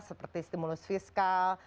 seperti stimulus fiskal